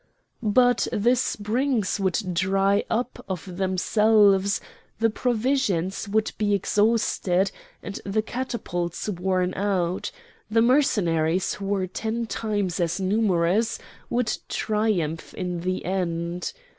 But the springs would dry up of themselves; the provisions would be exhausted, and the catapults worn out; the Mercenaries, who were ten times as numerous, would triumph in the end.